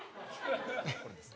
これです。